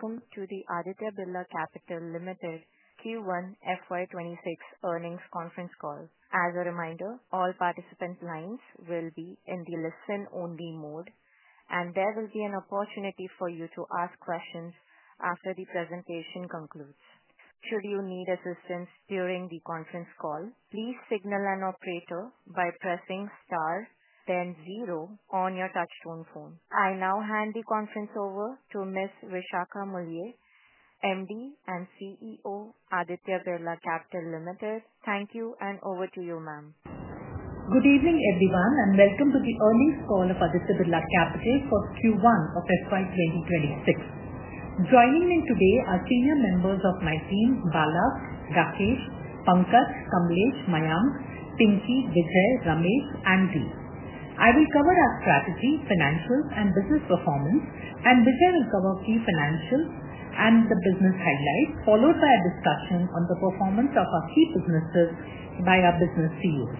Welcome to the Aditya Birla Capital Limited Q1 FY 2026 Earnings Conference Call. As a reminder, all participants' lines will be in the listen only mode, and there will be an opportunity for you to ask questions after the presentation concludes. Should you need assistance during the conference call, please signal an operator by pressing star then zero on your touchtone phone. I now hand the conference over to Ms. Vishakha Mulye, MD and CEO, Aditya Birla Capital Limited. Thank you, and over to you, Ma'am. Good evening everyone and welcome to the Earnings Call of Aditya Birla Capital for Q1 of FY 2026. Joining me today are senior members of my team Bala, Rakesh, Pankaj, Kamlesh, Mayank, Pinky, Vijay, Ramesh and Deep. I will cover our strategy, financials and business performance, and Vijay will cover key financial and business highlights followed by a discussion on the performance of our key businesses by our business CEOs.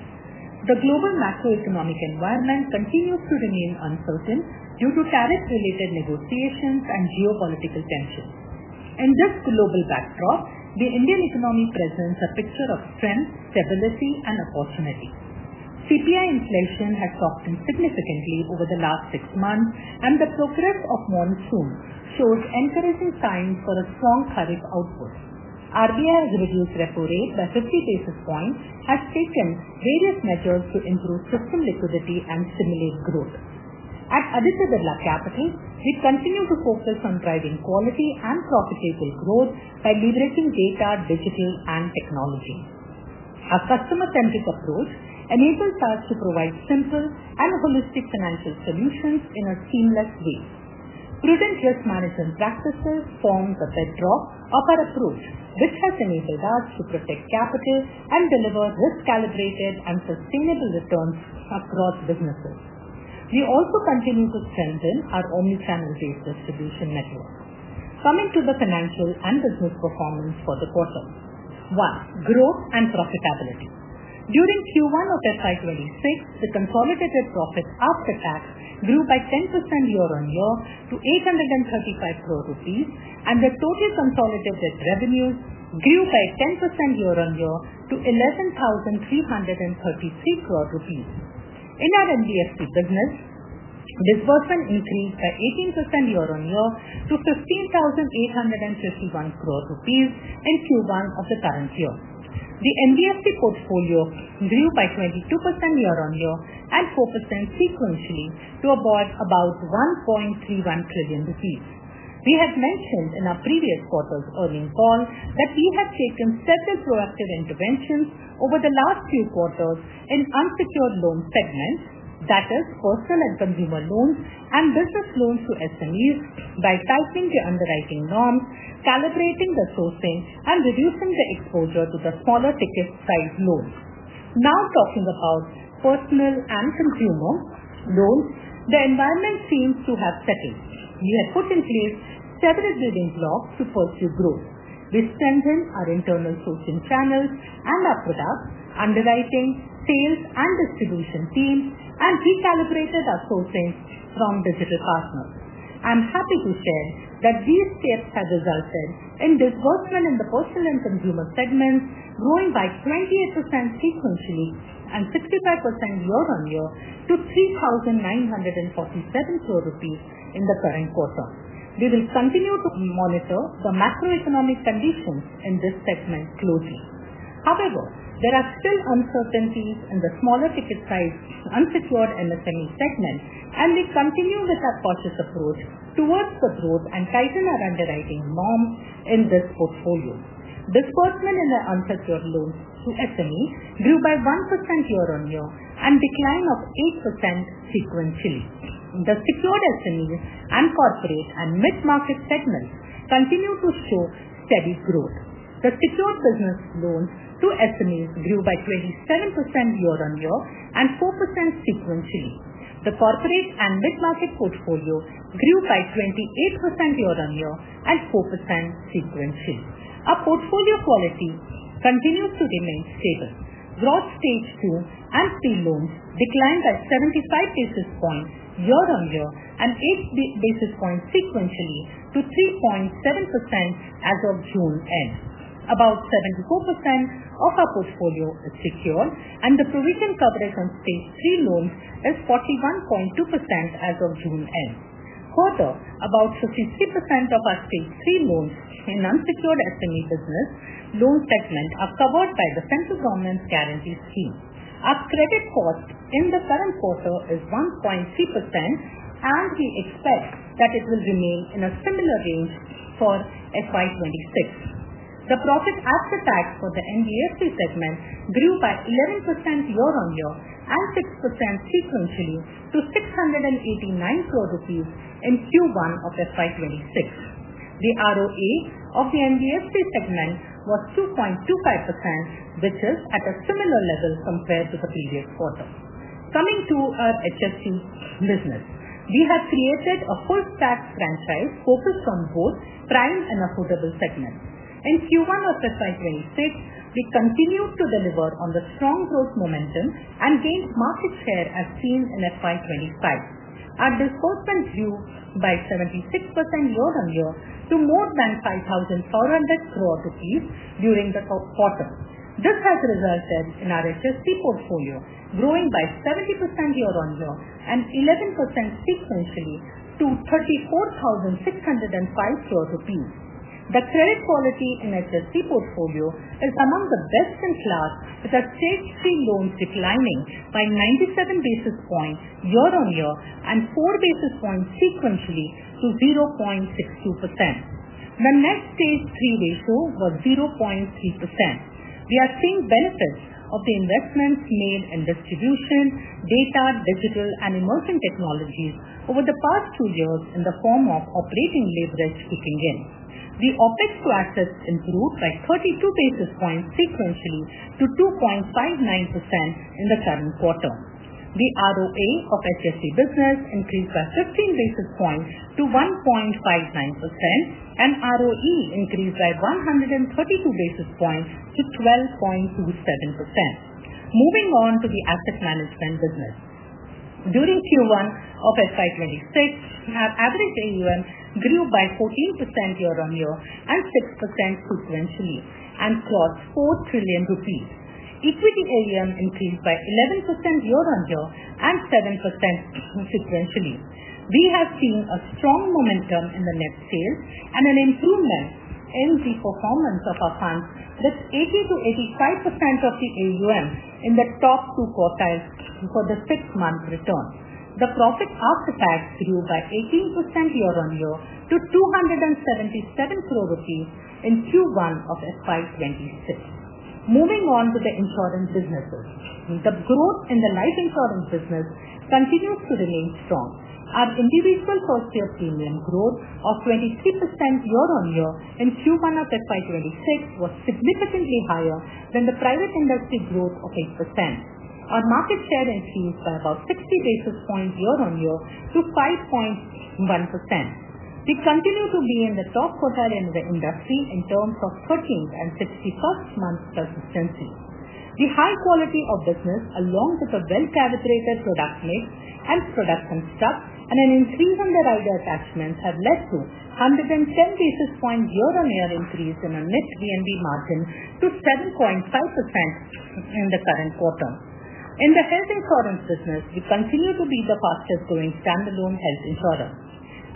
The global macroeconomic environment continues to remain uncertain due to tariff-related negotiations and geopolitical tensions. In this global backdrop, the Indian economy presents a picture of strength, stability and opportunity. CPI inflation has softened significantly over the last six months and the progress of monsoon shows increasing signs for a strong kharif output. RBI's reduced repo rate by 50 basis points has taken various measures to improve system liquidity and stimulate growth. At Aditya Birla Capital we continue to focus on driving quality and profitable growth by leveraging data, digital and technology. Our customer-centric approach enables us to provide simple and holistic financial solutions in a seamless way. Prudent risk management practices form the bedrock. Of our approach. This has enabled us to protect capital and deliver growth, calibrated and sustainable returns across businesses. We also continue to strengthen our omnichannel-based distribution network. Coming to the financial and business performance for the quarter one. Growth and profitability during Q1 of FY 2026, the consolidated profit after tax grew by 10% year-on-year to 835 crore rupees and the total consolidated revenue grew by 10% year-on-year to 11,343 crore rupees. In our NBFC business, disbursement increased at 18% year-on-year to 15,851 crore rupees. In Q1 of the current year, the NBFC portfolio grew by 22% year-on-year and 4% sequentially to about 1.31 trillion rupees. We have mentioned in our previous quarter's earnings call that we have chosen several proactive interventions over the last few quarters in unsecured loan segments, that is wholesale and consumer loans and business loans to SMEs by tightening the underwriting norms, calibrating the sourcing, and reducing the exposure to the smaller ticket size loan. Now talking about personal and consumer role, the environment seems to have settled. We have put in place several building blocks to pursue growth. This strengthened our internal sourcing channel and our product underwriting, sales and distribution teams, and recalibrated our sourcing from digital partners. I'm happy to share that these steps have resulted in disbursement in the wholesale and consumer segment growing by 28% sequentially and 65% year-on-year to 3,947 crore rupees in the current quarter. We will continue to monitor for macroeconomic conditions in this segment closely. However, there are still uncertainties in the smaller ticket size unsecured MSME segment and we continue with our process approach towards the growth and tighten our underwriting norms in this portfolio. Disbursement in the unsecured loans to SME grew by 1% year-on-year and declined 8% sequentially. The secured SME and corporate and mid-market segment continue to show steady growth. The secured business loan to SMEs grew by 27% year-on-year and 4% sequentially. The corporate and mid-market portfolio grew by 28% year-on-year and 4% sequentially. Our portfolio quality continued to remain stable. Gross stage two and three loans declined by 75 basis points year-on-year and 8 basis points sequentially to 3.7% as of June end. About 74% of our portfolio is secured and the provision coverage on stage three loans is 41.2% as of June end. Further, about 53% of our stage three loans in unsecured SME business loan segment are covered by the central government's guarantee scheme. Our credit cost in the current quarter is 1.3% and we expect that it will remain in a similar range for FY 2026. The profit after tax for the NBFC segment grew by 11% year-on-year and 6% sequentially to 689 crore rupees in Q1 of FY 2026. The ROA of the NBFC segment was 2.25% which is at a similar level compared to the previous quarter. Coming to our HFC business, we have created a full tax franchise, focused on both prime and affordable segment. In Q1 of FY 2026, we continued to deliver on the strong growth momentum and gained market share as seen in FY 2025. Our disbursements grew by 76% year-on-year to more than 5,400 crore rupees during the quarter. This has resulted in our HFC portfolio growing by 70% year-on-year and 11% sequentially to 34,605 crore rupees. The credit quality in HFC portfolio is among the best-in-class, with stage three loans declining by 97 basis points year-on-year and 4 basis points sequentially to 0.62%. The net stage three ratio was 0.3%. We are seeing benefits of the investments made in distribution, data, digital and emerging technologies over the past two years in the form of operating leverage kicking in. The OpEx to assets improved by 32 basis points sequentially to 2.59% in the current quarter. The ROA of HFC business increased by 15 basis points to 1.59% and ROE increased by 132 basis points to 12.27%. Moving on to the asset management business, during Q1 of FY 2026 our average AUM grew by 14% year-on-year and 6% sequentially and crossed INR 4 trillion. Equity AUM increased by 11% year-on-year and 7% sequentially. We have seen a strong momentum in the net sales and an improvement in the performance of funds, with 80%-85% of the AUM in the top two quartiles for the six-month return. The profit after tax grew by 18% year-on-year to 277 crore in Q1 of FY 2026. Moving on to the insurance businesses, the growth in the life insurance business continues to remain strong as in the recent first year premium growth of 23% year-on-year in Q1 of FY 2026 was significantly higher than the private industry growth of 8%. Our market share increased by about 60 basis points year-on-year to 5.1%. We continue to be in the top quartile in the industry in terms of 13th and 61st month persistency. The high quality of business along with a very calibrated product mix, and product construct and an increase in the rider attachments have led to 110 basis points year-on-year increase in a net VNB margin to 7.5% in the current quarter. In the health insurance business, we continue to be the fastest growing standalone health insurer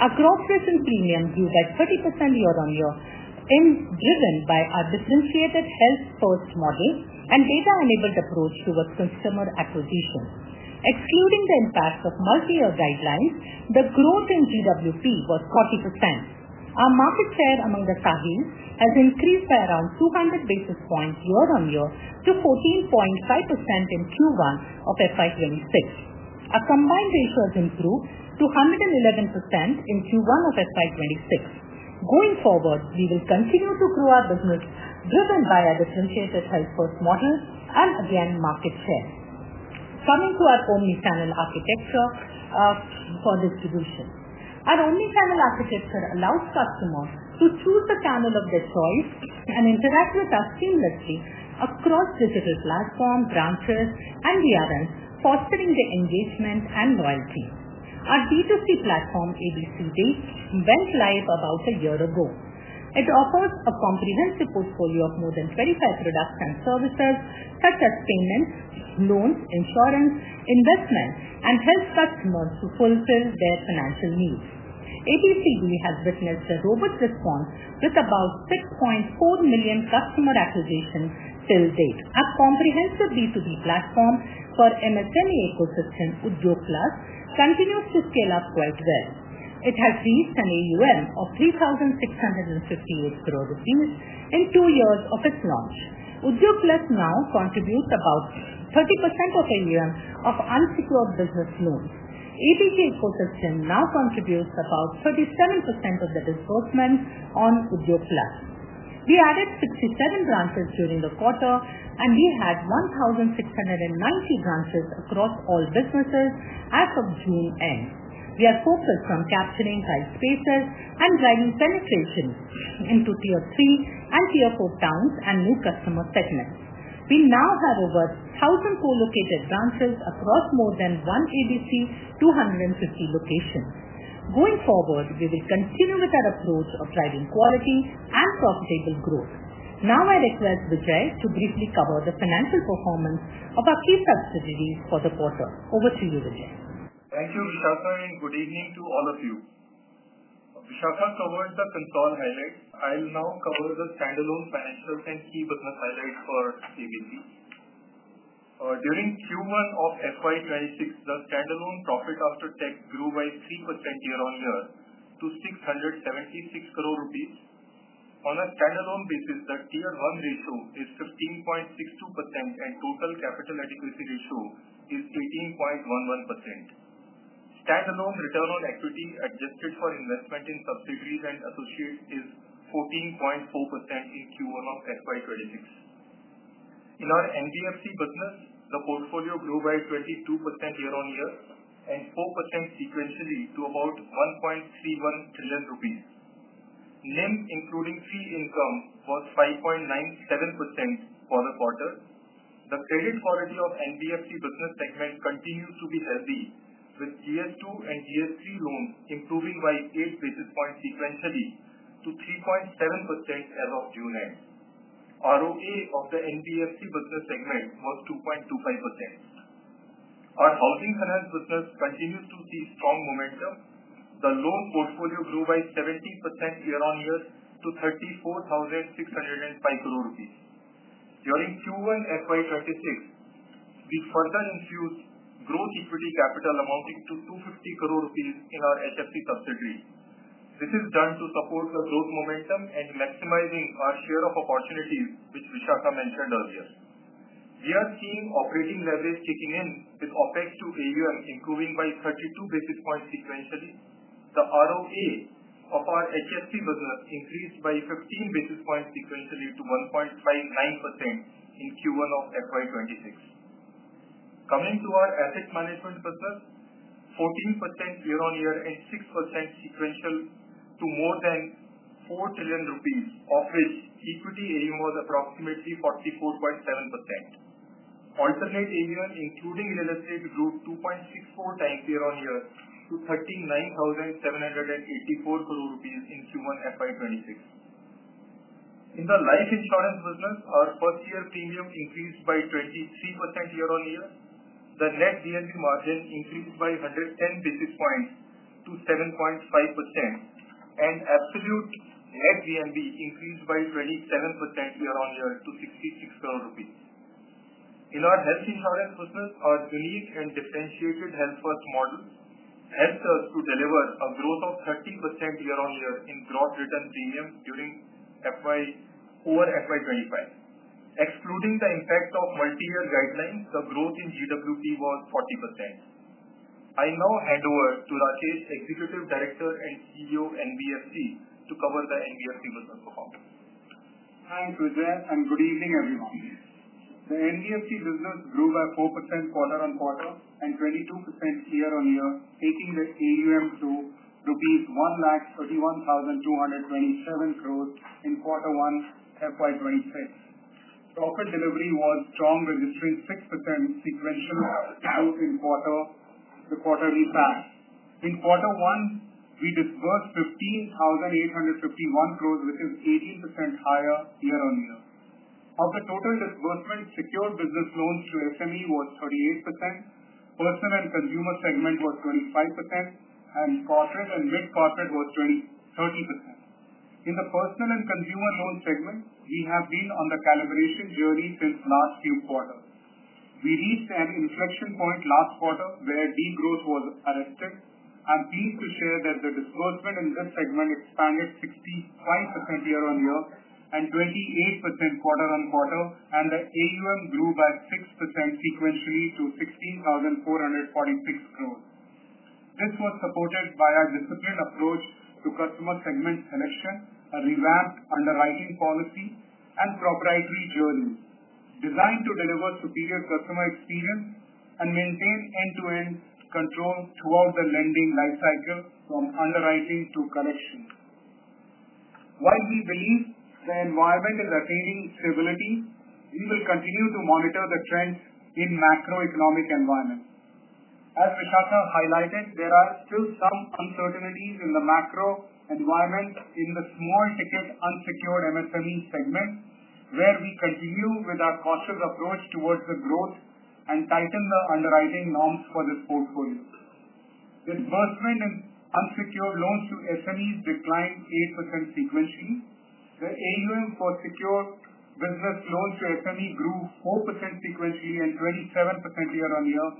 our gross written premium grew by 30% year-on-year, driven by our differentiated health first model and data-enabled approach towards customer acquisition, excluding the impacts of multiyear guidelines. The growth in GWP was 40%. Our market share among the SAHIs has increased by around 200 basis points year-on-year to 14.5% in Q1 of FY 2026. A combined ratio improved to 111% in Q1 of FY 2026. Going forward, we will continue to grow our business driven by our differentiated health first model and gain market form coming to our omnichannel architecture for distribution. Our omnichannel architecture allows customers to choose the channel of their choice and interact with us seamlessly across digital platform, branches and VRMs, fostering the engagement and loyalty. Our D2C platform ABCD went live about a year ago. It offers a comprehensive portfolio of more than 25 products and services such as payments, loans, insurance, investment and helps customers to fulfill their financial needs. ABCD has witnessed a robust response with about 6.4 million customer acquisition till date our comprehensive B2B platform. For MSME ecosystem, Udyog Plus continues to scale up quite well. It has reached an AUM of 3,658 crore rupees in two years of its launch. Udyog Plus now contributes about 30% of a year of unsecured business loans. ABG ecosystem now contributes about 37% of the disbursements on Udyog Plus. We added 67 branches during the quarter and we had 1,690 branches across all businesses as of June end. We are focused on capturing white spaces and driving penetration into tier three and tier four towns and new customer segments. We now have over 1,000 co-located branches across more than one ABC 250 locations. Going forward, we will continue with our approach of driving quality and calibrated growth. Now I request Vijay to briefly cover the financial performance of our key subsidiaries for the quarter. Over to you, Vijay. Thank you Vishakha and good evening to all of you. Vishakha covered the consolidated highlights. I'll now cover the standalone financials and key business highlight for CBD. During Q1 of FY 2026, the standalone profit after tax grew by 3% year-on-year to 676 crore rupees. On a standalone basis, the tier one ratio is 15.62% and total capital adequacy ratio is 18.11%. Standalone return on equity adjusted for investment in subsidiaries and associates is 14.4% in Q1 of FY 2026. In our NBFC business, the portfolio grew by 22% year-on-year and 4% sequentially to about 1.31 trillion rupees. NIM including fee income was 5.97% for the quarter. The credit quality of NBFC business segment continues to be healthy with GS2 and GS3 loans improving by 8 basis points sequentially to 3.7% as of June end. ROA of the NBFC business segment was 2.25%. Our housing finance business continues to see strong momentum. The loan portfolio grew by 17% year-on-year to INR 34,605 crore during Q1 FY 2026. We further infused growth equity capital amounting to 250 crore rupees in our HFC subsidiary. This is done to support the growth momentum and maximizing our share of opportunities which Vishakha mentioned earlier. We are seeing operating leverage kicking in with OpEx to AUM improving by 32 basis points sequentially. The ROA of our HFC business increased by 15 basis points sequentially to 1.59% in Q1 of FY 2026. Coming to our asset management business, 14% year-on-year and 6% sequentially to more than 4 trillion rupees, of which equity AUM was approximately 44.7%. Alternate AUM including real estate grew 2.64x year-on-year to INR 39,784 crore in Q1 FY 2026. In the life insurance business, our first year premium increased by 23% year-on-year. The net VNB margin increased by 110 basis points to 7.5% and absolute net VNB increased by 27% year-on-year to 66 crore rupees. In our health insurance business, our unique and differentiated health-first model helps us to deliver a growth of 30% year-on-year in gross written premium during FY 2025. Excluding the impact of multi-year guidelines, the growth in GWP was 40%. I now hand over to Rakesh, Executive Director and CEO of NBFC, to cover the NBFC method. Thanks Vijay and good evening everyone. The NBFC business grew by 4% quarter-on-quarter and 22% year-on-year, taking the AUM to INR 1,31,227 crore in quarter one FY 2026. Profit delivery was strong, registering 6% sequential growth in the quarter. The quarterly PAT in quarter one we disbursed 15,851 crore, which is 18% higher year-on-year. Of the total disbursement, secured business loans to SME was 38%, personal and consumer segment was 25%, and corporate and mid corporate was 30%. In the personal and consumer loan segment, we have been on the calibration journey since last few quarters. We reached an inflection point last quarter where de-growth was arrested. I'm pleased to share that the disbursement in this segment expanded 65% year-on-year and 28% quarter-on-quarter, and the AUM grew by 6% sequentially to 16,446 crore. This was supported by our disciplined approach to customer segment selection, a revamped underwriting policy, and proprietary journey designed to deliver superior customer experience and maintain end-to-end control throughout the lending life cycle from underwriting to collections. While we believe the environment is attaining stability, we will continue to monitor the trend in macroeconomic environment. As Vishakha highlighted, there are still some uncertainties in the macro environment in the small unsecured MSME segment where we continue with our cautious approach towards the growth and tighten the underwriting norms for this portfolio. Disbursement in unsecured loans to SMEs declined 8% sequentially. The AUM for secured business loans to SME grew 4% sequentially and 27% year-on-year.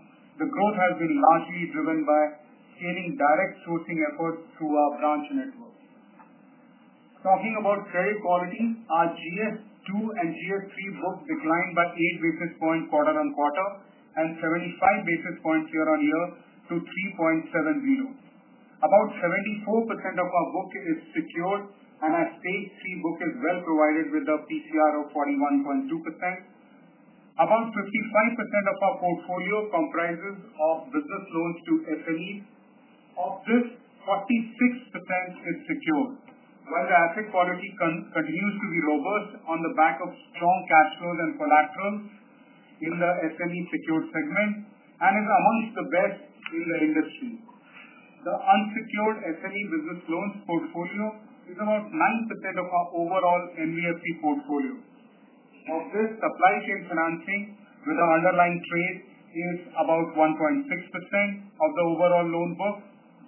The growth has been largely driven by scaling direct sourcing efforts through a branch network. Talking about credit quality, our GS2 and GS3 books declined by 8 basis points quarter-on-quarter and 75 basis points year-on-year to 3.70%. About 74% of our book is secured and our stage three book is well provided with the PCR of 41.2%. About 55% of our portfolio comprises of business loans to SMEs of this, 46% is secured while the asset quality continues to be robust on the back of strong cash flows and collateral in the SME secured segment and is amongst the best in the industry. The unsecured SME business loans portfolio is around 9% of our overall NBFC portfolio, of this supply chain financing with the underlying trade is about 1.6% of the overall loan book,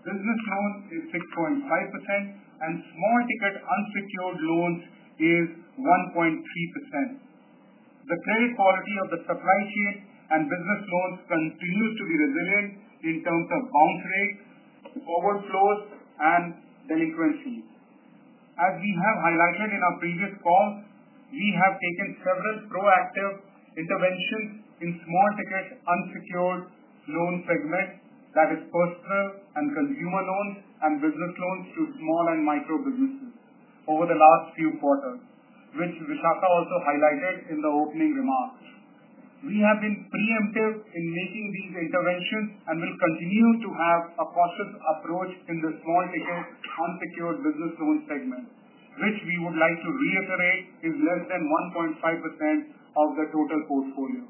business loan is 6.5%, and small ticket unsecured loans is 1.3%. The credit quality of the supply chain and business loans continues to be resilient in terms of bounce rate, forward flows, and delinquencies. As we have highlighted in our previous calls, we have taken several proactive interventions in the small ticket unsecured loan segment, that is, personal and consumer loan and business loans to small and micro businesses over the last few quarters, which Vishakha also highlighted in the opening remarks. We have been preemptive in making these interventions and will continue to have a positive approach in the small unsecured business loan segment, which we would like to reiterate and is less than 1.5% of the total portfolio.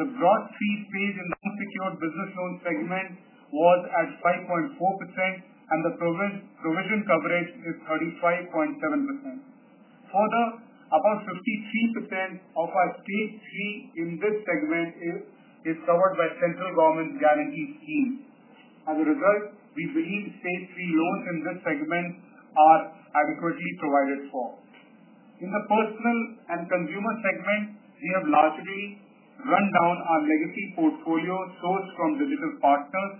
The gross stage three loans in the unsecured business loan segment was at 5.4% and the provision coverage is 35.7%. Further, about 53% of our stage three in this segment is covered by central government guarantee scheme. As a result, we believe stage three loans in this segment are adequately provided for. In the personal and consumer segment, we have largely run down our legacy portfolio sourced from the digital partners.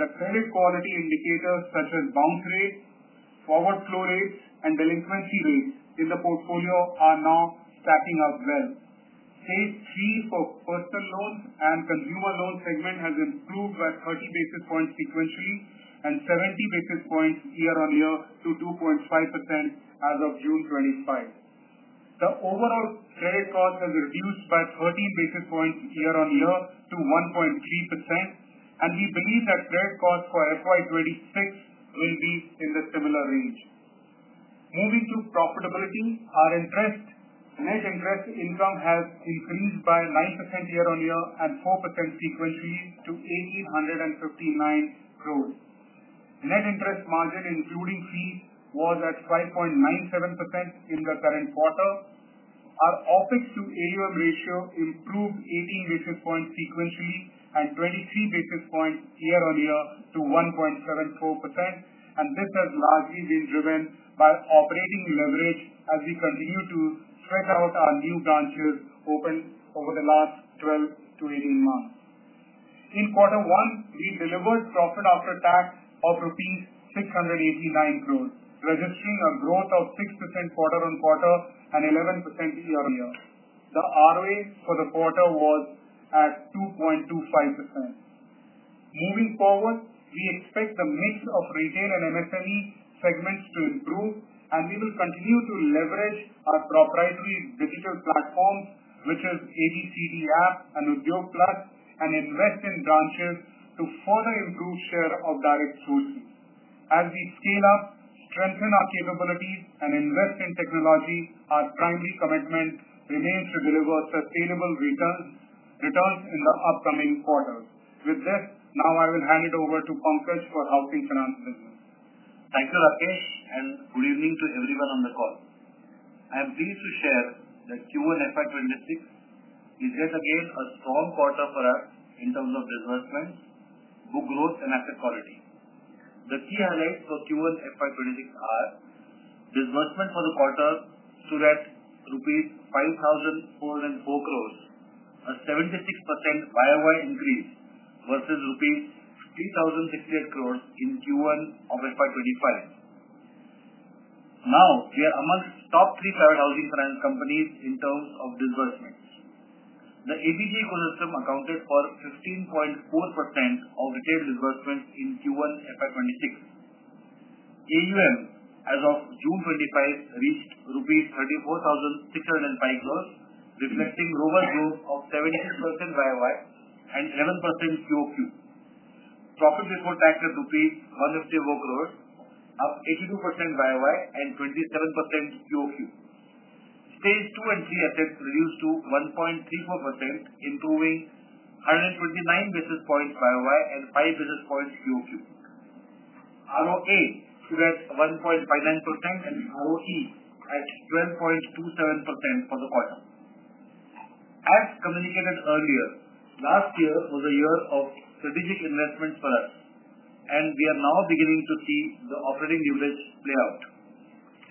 The credit quality indicators such as bounce rate, forward flow rates, and delinquency rate in the portfolio are now stacking up well. Stage three for personal loans and consumer loan segment has improved by 30 basis points sequentially and 70 basis points year-on-year to 2.5% as of June 2025. The overall credit cost has reduced by 13 basis points year-on-year to 1.3% and we believe that credit cost for FY 2026 will be in the similar range. Moving to profitability, our net interest income has increased by 9% year-on-year and 4% sequentially to 1,859 crore. Net interest margin including fee was at 5.97%. In the current quarter, our OpEx to AUM ratio improved 18 basis points sequentially and 23 basis points year-on-year to 1.74%, and this has largely been driven by operating leverage as we continue to spread out our new branches opened over the last 12-18 months. In quarter one, we delivered profit after tax of rupees 689 crore, registering a growth of 6% quarter-on-quarter and 11% year-on-year. The ROA for the quarter was at 2.25%. Moving forward, we expect the mix of retail and MSME segments to improve and we will continue to leverage our proprietary digital platforms, which is ABCD app and Udyog Plus, and invest in branches to further improve share of direct sourcing as we scale up, strengthen our capabilities, and invest in technology. Our primary commitment remains to deliver sustainable returns in the upcoming quarter. With this, now I will hand it over to Pankaj for housing finance business. Thank you Rakesh and good evening to everyone on the call. I am pleased to share that Q1 FY 2026 is yet again a strong quarter for us in terms of disbursements, good growth, and asset quality. The key highlights for Q1 FY 2026 are disbursement for the quarter stood at rupees 5,404 crore, a 76% YoY increase versus INR 3,068 crore in Q1 of FY 2025. Now we are amongst the top three private housing finance companies in terms of disbursements. The ABG ecosystem accounted for 15.4% of retail disbursements in Q1 FY 2026. AUM as of June 2025 reached INR 34,605 crore, reflecting robust growth of 76% YoY and 11% QoQ. Profit before taxes was INR 154 crore, up 82% YoY and 27% QoQ. Stage two and three assets reduced to 1.34%, improving 129 basis points YoY and 5 basis points QoQ. ROA stood at 1.59% and ROE at 12.27% for the quarter. As communicated earlier, last year was a year of strategic investment for us and we are now beginning to see the operating leverage play out.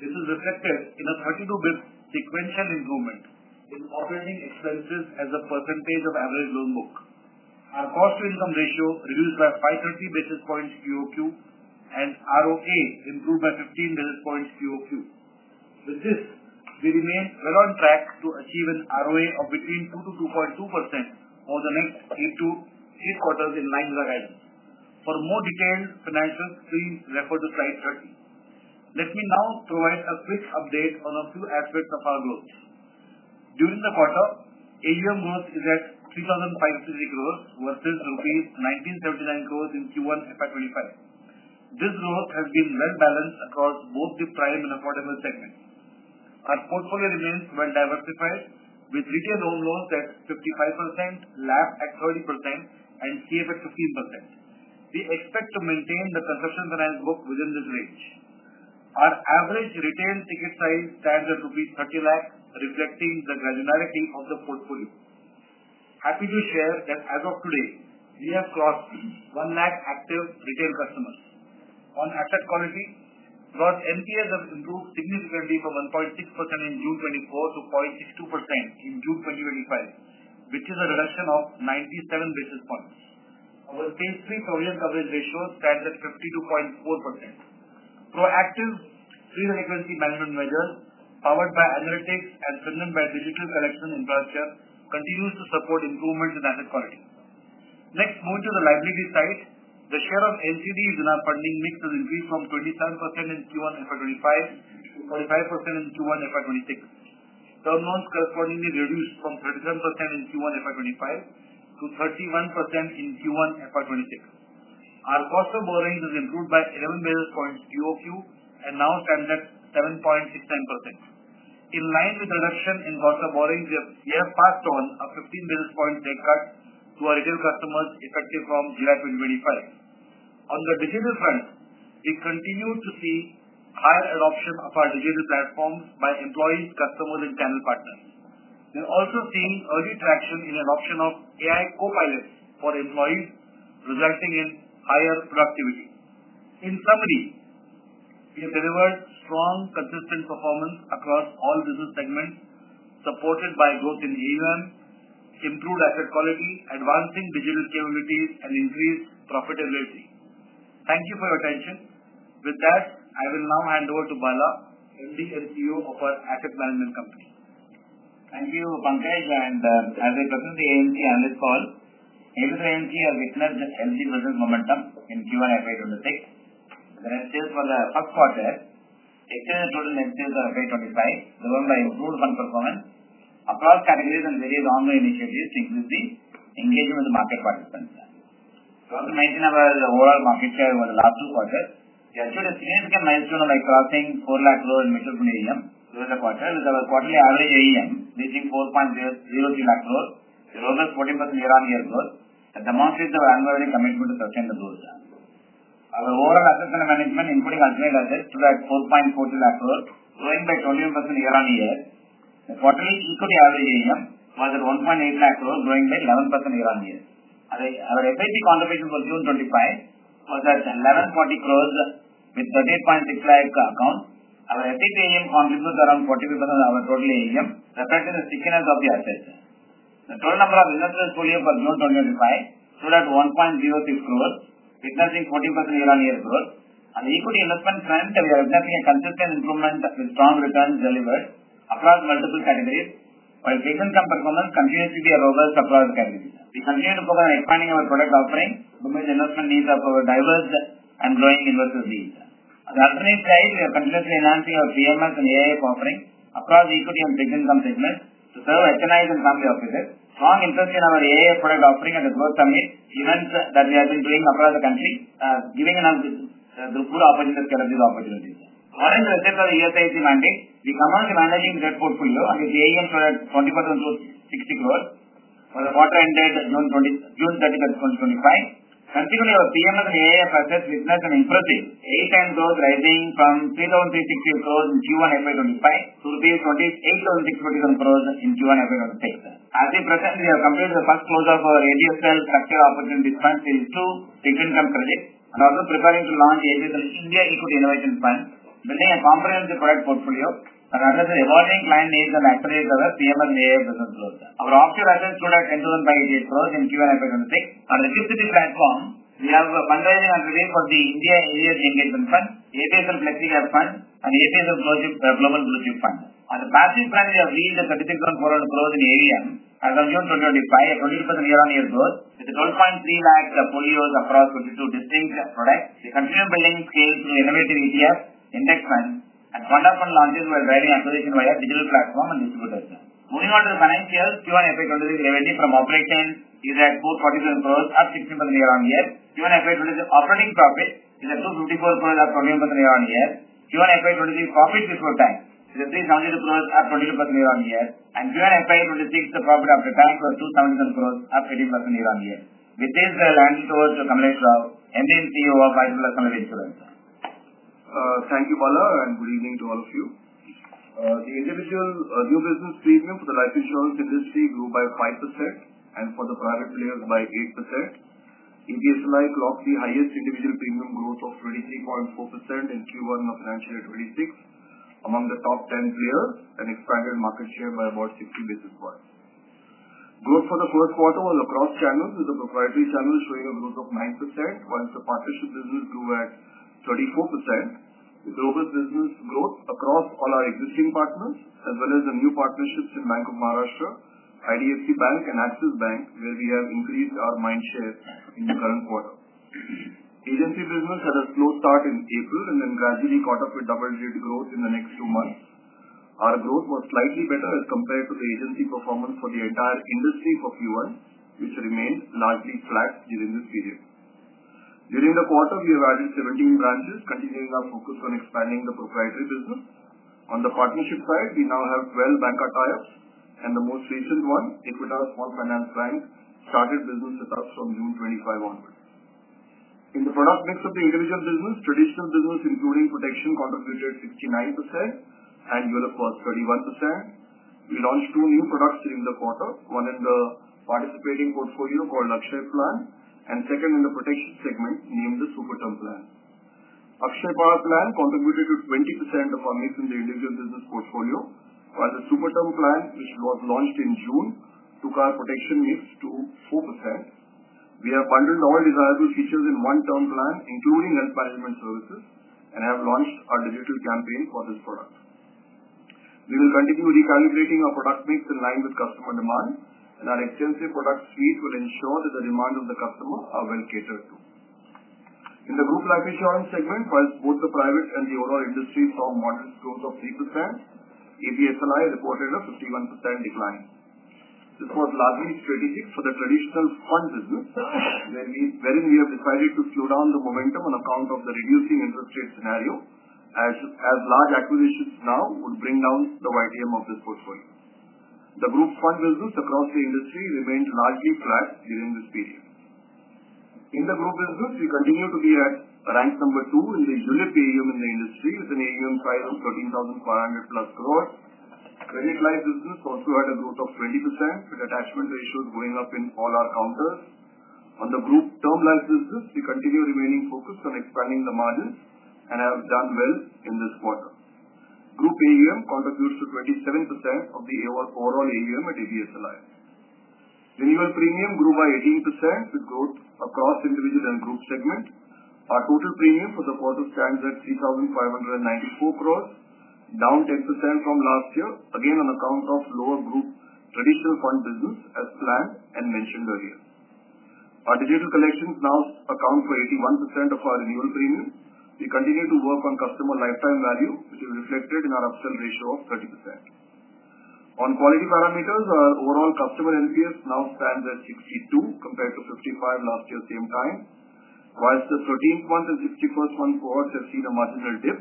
This is reflected in a 32 bps sequential improvement in operating expenses as a percentage of average loan book. Our cost to income ratio reduced by 530 basis points QoQ and ROA improved by 15 basis points QoQ. With this, we remain well on track to achieve an ROA of between 2%-2.2% over the next three to eight quarters in line with our guidance. For more detailed financials, please refer to slide 30. Let me now provide a quick update on a few aspects of our growth during the quarter. AUM growth is at INR 3,553 crore versus INR 1,979 crore in Q1 FY 2025. This growth has been well balanced across both the prime and affordable segments. Our portfolio remains well diversified with retail home loans at 55%, LAP at 30%, and CF at 15%. We expect to maintain the construction finance book within this range. Our average retail ticket size stands at 30 lakh rupees, reflecting the granularity of the portfolio. Happy to share that as of today we have crossed 1 lakh active retail customers. On asset quality, gross NPAs have improved significantly from 1.6% in June 2024 to 0.62% in June 2025, which is a reduction of 97 basis points. Our stage three provision coverage ratio stands at 52.4%. Proactive pre-delinquency management measures powered by analytics and strengthened by digital collection infrastructure continues to support improvements in asset quality. Next, moving to the liabilities side. The share of NCDs in our funding mix will increase from 27% in Q1 FY 2025 to 45% in Q1 FY 2026. Term loans correspondingly reduced from 37% in Q1 FY 2025 to 31% in Q1 FY 2026. Our cost of borrowings has improved by 11 basis points QoQ and now stands at 7.69% in line with reduction in cost of borrowings. We have passed on a 15 basis point rate cut to our retail customers effective from July 2025. On the digital front, we continue to see higher adoption of our digital platforms by employees, customers, and channel partners. We're also seeing early traction in adoption of AI copilot for employees resulting in higher productivity. In summary, we have delivered strong consistent performance across all business segments supported by growth in AUM, improved asset quality, advancing digital capabilities, and increased profitability. Thank you for your attention. With that, I will now hand over to Bala, MD and CEO of our Asset Management Company. Thank you, Pankaj, and as I present, the AMC on this call the ABSLAMC has witnessed healthy business momentum in Q1 FY 2026 with the net sales for the up quarter exceeding the total net sales for FY 2025 driven by improved fund performance across categories and various ongoing initiatives to increase the engagement of the market participants we have also maintained our overall market share over the last two quarters. We have achieved a significant milestone by crossing 4 lakh crore in mutual fund AUM during the quarter with our quarterly average AUM reaching 4.03 lakh crore, a robust 14% year-on-year growth that demonstrates our unwavering commitment to sustained growth. Our overall assets under management including alternate assets stood at 4.43 lakh crore growing by 21% year-on-year, the quarterly equity average AUM stood at 1.80 lakh crore growing by 11% year-on-year. Our SIP contribution for June 2025, was at 1,140 crore with 38.6 lakh account. Our SIP AUM contributes around 45% of our total AUM reflecting the stickiness of the assets. The total number of investor folios for June 2025 stood at 1.06 crore witnessing 14% year-on-year growth and equity investment trend. We are expecting a consistent improvement with strong return delivers across multiple categories. While seasons and performance continues to be robust across the categories, we continue to focus on expanding our product offering to meet the investment needs of our diverse and growing investor base. The alternate stage, we are continuously enhancing our CMS and AIF offering across equity and fixed income segments to serve HNIs and family offices. Strong interest in our AIF product offering at the growth summit events that we have been doing across the country giving along those good opportunities, collective opportunities all in the state of the ESIC mandate. We commenced managing the debt portfolio and its AUMs are at INR 24,060 crore for the quarter ended June 30, 2025. Continually, our PMS/AIF assets witnessed an impressive 8x growth rising from INR 3,360 crore in Q1 FY 2025 to INR 28,657 crore in Q1 FY 2026. As we present, we have completed the first quarter for ABSL Structured Opportunities Fund Series II fixed income credit and also preparing to launch ABSL India Equity Innovation Plan, building a comprehensive product portfolio rather than evolving client needs and accelerate our PMS/AIF business growth. Our offshore assets stood at INR 10,588 crore in Q1 FY 2026. Under the GIFT City platform, we have fundraising underway for the India ESG Engagement Fund, ABSL Flexi Cap Fund, and ABSL Global Blue Chip Fund. On the passive fronts, we have yielded INR 36,400 crore growth in AUM as of June 2025, 27% year-on-year growth with 12.30 lakh folios across 22 distinct products. The continued building scale in innovative ETF Index Fund-of-Fund launches while driving acquisition via digital platform and distributors. Moving on to the financial Q1 FY 2026. Revenue from operations is at INR 447 crore, up 16% year-on-year. Q1 FY 2026 operating profit is approximately INR 254 crore, up 21% year-on-year Q1 FY 2026. Profit before tax 372 crore, 22% year-on-year, and for Q1 FY 2026 the profit after tax was 277 crore, or 18% year-on-year, with this I'll hand it over to Kamlesh Rao MD and CEO of Aditya Birla Life Insurance. Thank you, Bala, and good evening to all of you. The individual new business treatment for the life insurance industry grew by 5% and for the private players by 8%. ABSLI clocked the highest individual premium growth of 23.4% in Q1 of financial year 2026 among the top 10 players and expanded market share by about 60 basis points. Growth for the first quarter was across channels, with the proprietary channel showing a growth of 9%, while the partnership business grew at 34%. The global business growth across all our existing partners as well as the new partnerships with Bank of Maharashtra, IDFC Bank, and Axis Bank, where we have increased our mind share in the current quarter. Agency business had a slow start in April and then gradually caught up with double-digit growth in the next few months. Our growth was slightly better as compared to the agency performance for the entire industry for Q1, which remains largely flat during this period. During the quarter, we have added 17 branches, continuing our focus on expanding the proprietary business. On the partnership side, we now have 12 banker tie-ups and the most recent one, Equitas. Small Finance Bank started business setup from June 2025 onward in the product mix of the individual business. Traditional business including protection contributed 69% and ULIP cost 31%. We launched two new products during the quarter, one in the participating portfolio called Akshaya Plan and second in the protection segment named the Super Term Plan. Akshaya PAR Plan contributed to 20% of our mix in the individual business portfolio while the Super Term Plan which was launched in June took our protection mix to 4%. We have bundled all desirable features in one term plan including health management services and have launched our digital campaign for this product. We will continue recalibrating our product mix in line with customer demand and our exclusive product fees will ensure that the demand of the customer are well catered to. In the group life insurance segment, while both the private and the owner industries saw much growth of 3%, ABSLI reported a 51% decline. This was largely strategic for the traditional fund business wherein we have decided to slow down the momentum on account of the reducing interest rate scenario as large acquisitions now would bring down the YTM of this portfolio. The group fund business across the industry remained largely flat during this period. In the group business we continue to be at ranked number two in the ULIP AUM in the industry with an AUM size of 13,500+ crore. Credit life business also had a growth of 20% with attachment ratios going up in all our counters. On the group term life business we continue remaining focused on expanding the margins and have done well in this quarter. Group AUM contributes to 27% of the overall. AUM at ABSLI renewal premium grew by 18% with growth across individual and group segments. Our total premium for the quarter stands at 3,594 crore, down 10% from last year again on account of lower group traditional fund business. As planned and mentioned earlier, our digital collections now account for 81% of our renewal premium. We continue to work on customer lifetime value which is reflected in our upstand ratio of 30%. There on quality parameters overall trustable NPS now stands at 62 compared to 55 last year same time whilst the 13th month and 61st month cohorts have seen a marginal dip.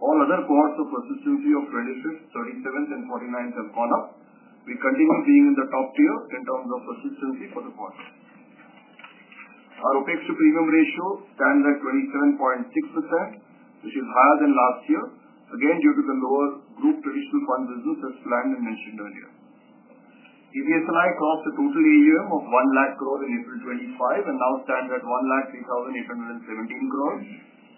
On other cohorts of persistency of 25th, 37th and 49th have gone up. We continue being in the top tier in terms of persistency for the quarter. Our OpEx to premium ratio stands at 27.6%, which is higher than last year, again due to the lower risk traditional fund business that's planned. ABSLI caused a total AUM of 1 lakh crore in April 2025 and now stands at 13,817 crore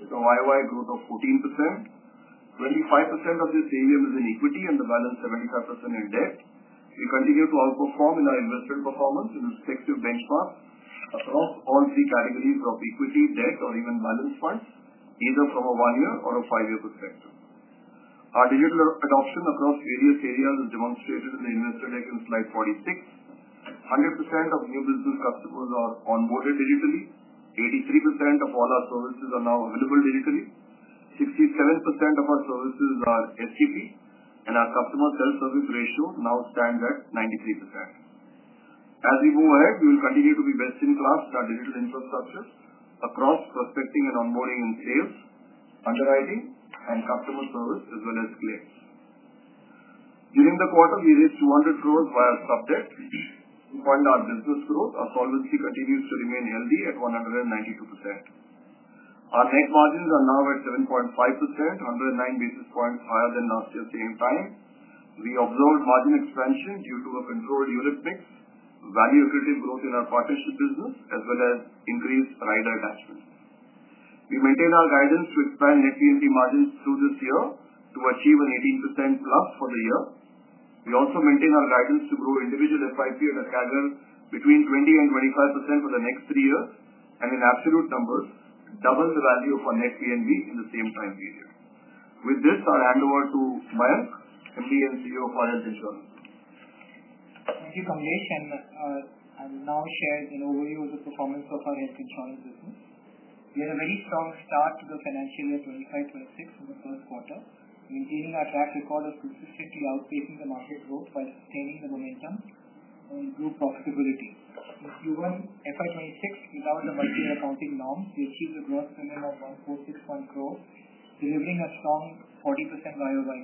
with a YoY growth of 14%. 25% of this AUM is in equity and the balance 75% in debt. We continue to outperform in our investment performance in a selective benchmark across all three categories of equity, debt, or even balance funds, either from a one-year or a five-year perspective. Our digital adoption across various areas is demonstrated in the investor deck in slide 46. 100% of new business customers are onboarded digitally, 83% of all our services are now available digitally, 67% of our services are SCP, and our customer self-service ratio now stands at 93%. As we go ahead, we will continue to be best in class, contributed to the infrastructure across prospecting and onboarding and sales, underwriting and customer service as well as clear during the quarter we reached 200 crore via subject our business growth. Our solvency continues to remain healthy at 192%. Our net margins are now at 7.5%, 109 basis points higher than last year's. Same time, we observed margin expansion due to a controlled ULIP mix, value accretive growth in our partnership business as well as increased rider attachment. We maintain our guidance to expand net VNB margins through this year to achieve an 18%+ for the year. We also maintain our guidance to grow individual FYP on a schedule between 20% and 25% for the next three years and in absolute numbers double the value of our next VNB in the same time period. With this, I'll hand over to Mayank, MD and CEO, of our health insurance. Thank you. Kamlesh and I will now share an overview of the performance of our risk insurance business. We had a very strong start to the financial year 2025-2026 in the first quarter, maintaining our track record of consistently outpacing the market growth while sustaining the momentum to improve profitability. The Q1 FY 2026 is now the multi-year accounting norm. We achieved a gross premium of 1,461 crore, delivering a strong 40% YoY.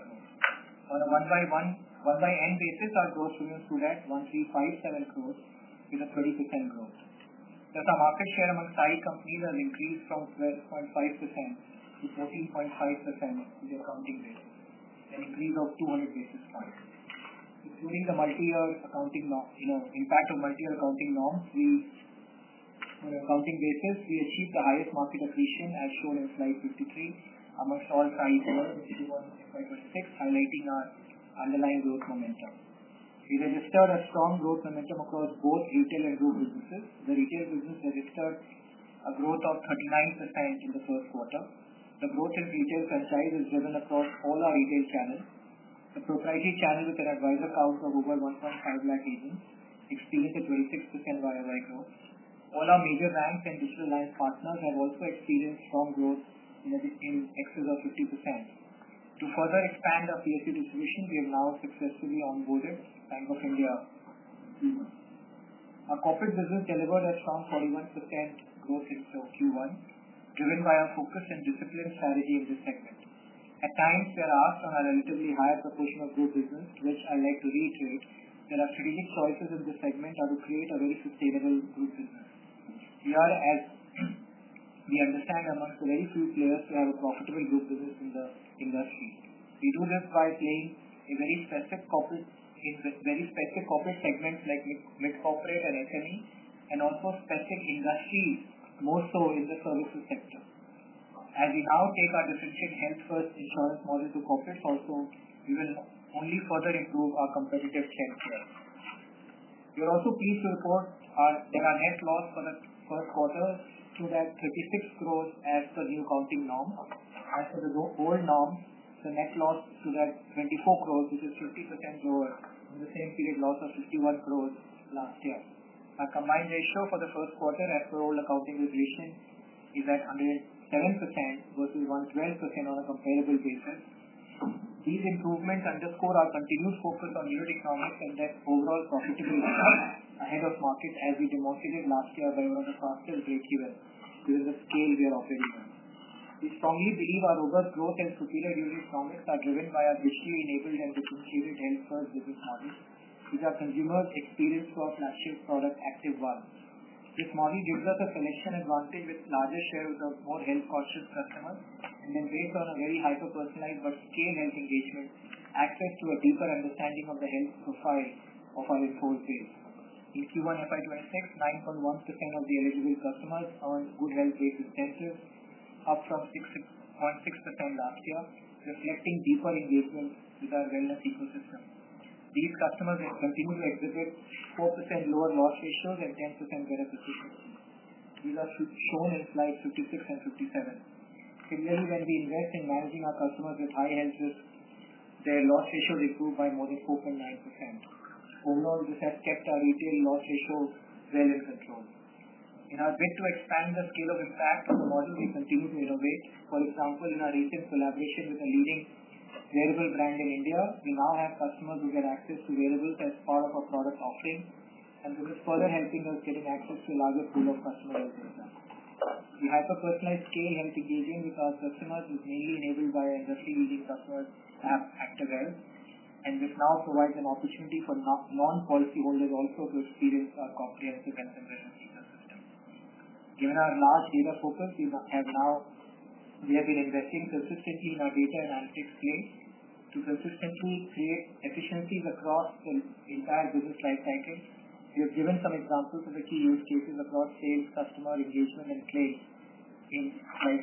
On a one-by-one, one-by-n basis, our gross revenue stood at 1,357 crore, which is a 30% growth. The market share among SAHI cos life has increased from 12.5%-14.5%, an increase of 200 basis points, including the multi-year accounting impact of multi-year accounting non-sales. On a housing basis, we achieved the highest market position as shown in slide 53, amongst all SAHI players in Q1 FY 2026 highlighting our underlying growth momentum. We registered a strong growth momentum across both retail and group businesses. The retail business registered a growth of 39% in the first quarter. The growth in retail franchise is driven across all our retail channels. The proprietary channel, with an advisor count of over which 1.5 lakh agents, experienced a 26% YoY growth. All our major banks and digital life partners have also experienced firm growth in a 15x above 50%. To further expand our PSU bank distribution, we have now successfully onboarded Bank of India in Q1. Our corporate business delivered a strong 41% growth since Q1, driven by our focus and disciplined strategy in this segment. At times, they are asked on a relatively higher proportion of group business. This, I like to reiterate, that our strategic choices in this segment are to create a very suitable business, we are as we understand amongst the very few players, we are a profitable group business in the industry. We do this by playing in very specific corporate segments like mid-corporate or SME and out of specific industries, more so in the colossal sector. As we now take our differentiated health-first insurance model to corporates also, we will only further improve our competitive strength here. We are also pleased to report our net loss for the fourth quarter is INR 36 crore as per the new accounting norm. As per the old norm, the net loss stood at 24 crore, which is a 50% lower than same period loss of 51 crore last year. A combined ratio for the first quarter at current accounting regulation is at under 107% compared to 112% on a comparable basis. These improvements underscore our continuous focus on unit economics and their overall profitability ahead of market as we demonstrated last year that it was a fastest break even the scale we are operating. We strongly believe our over growth and superior user promise are driven by our digitally enabled and differentiated end for business model which are consumers experience for flashing product Activ One. This model gives us a selection advantage with larger share of the more health conscious customer and then based on very hyper-personalized but scale health engagement access to a deeper understanding of the health profile of our inforce base. In Q1 FY 2026, 9.1% of eligible customers earned good health-based incentives, up from 6.6% last year reflecting deeper engagement with our wellness ecosystem, these customers have continued to exhibit 4% lower loss ratios and 10% better persistency. These are shown in slide 56 and 57 similarly. When we invest in managing our customers with high health risk their loss ratios improved by more than 4.9% overall. This has kept our retail loss ratio well in control. In our bid to expand the scale of impact of the model, we continue to innovate. For example, in our recent collaboration with a leading wearable brand in India we now have customers who get access to wearables as part of our product offering and this is further helping of getting access to larger field of customer. We have the personalized scale when it's engaging with our customers routinely enabled by industry using software app Activ Health and this now provides an opportunity for non policyholders also to experience our comprehensive health and wellness ecosystems. Given our large data process we have now we have been investing consistently in our data and analytics change so consistently create efficiencies across the entire business life cycle. We have given some examples of the key use cases across sales, customer engagement and claims in slide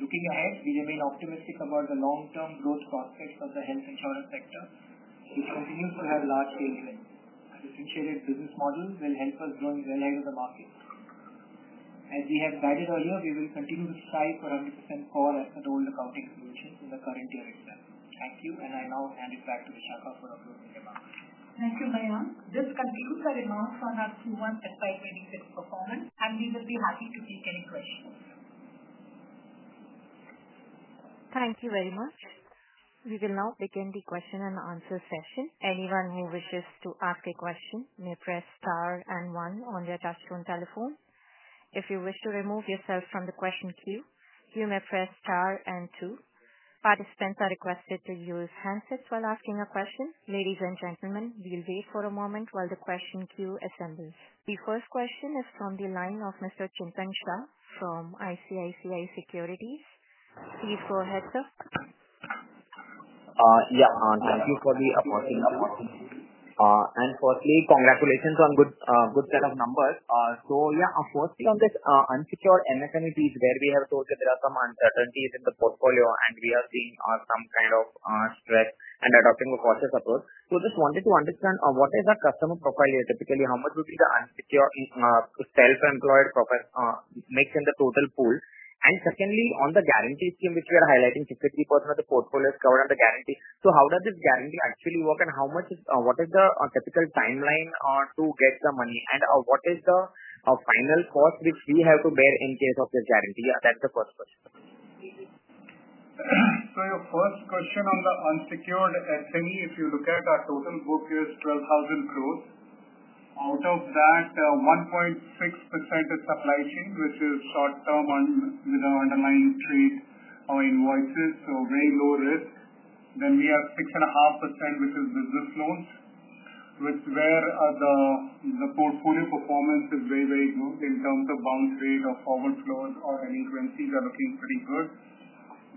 62. Looking ahead we remain optimistic about the long term growth process of the health insurance sector. We continue to have large tailwinds. Differentiated business models will help us grow well ahead of the market as we have guided earlier we will continue to strive 100% COR as per the old accounting regulations in the current year itself. Thank you and I now hand it back to the Vishakha for her closing remarks. Thank you Mayank. This concludes our remarks for the Q1 FY 2026 performance and we would be happy to be to take any questions. Thank you very much. We will now begin the question and answer session. Anyone who wishes to ask a question may press star and one on their touch tone telephone. If you wish to remove yourself from the question queue you may press star and two. Participants are requested to use handsets while asking a question. Ladies and gentlemen, we'll wait for a moment while the question queue assembles. The first question is from the line of Mr. Chintan Shah from ICICI Securities Please go ahead, sir. Thank you for the opportunity and firstly congratulations on a good set of numbers. Of course, on this unsecured MSME piece where we have told that there are some uncertainties at the portfolio and we are seeing some kind of stress and adopting a cautious approach. I just wanted to understand what is our customer profile here? Typically, how much would be the unsecured self-employed profile mix in the total pool? Secondly, on the guarantee scheme which we are highlighting, 53% of the portfolio is covered under guarantee. How does this guarantee actually work and what is the capital timeline to get the money, and what is the final cost which we have to bear in case of the guarantee? That's the first question. Your first question on the unsecured SME, if you look at our total book, it is 12,000 crores. Out of that, 1.6% is supply chain, which is short term on underlying treat or invoices, so very low risk. Then we have 6.5% which is business loan, where the portfolio performance is very, very good in terms of bounce rate or forward flows of any currencies are looking pretty good.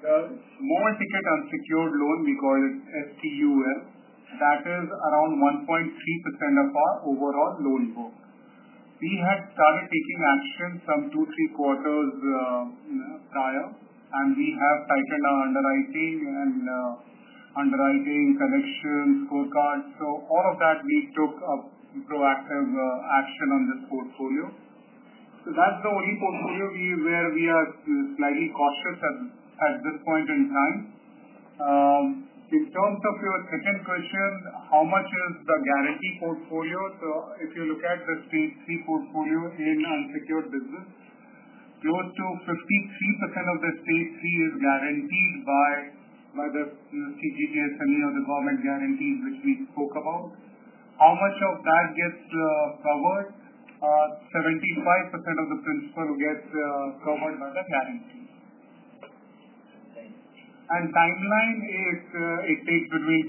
The more ticket unsecured loan, we call it STUL, that is around 1.3% of our overall loan growth. We had started taking action some two, three quarters prior and we have tightened our underwriting and underwriting collection scorecards. All of that, we took a proactive action on this portfolio. That's the only portfolio where we are slightly cautious at this point in time. In terms of your second question, how much is the guarantee portfolio? If you look at the stage three portfolio in unsecured business, close to, 53% of the stage three is guaranteed by the CGT SME government guarantee which we spoke about. How much of that gets covered? 75% of the principal gets covered by the guarantee and timeline is it takes between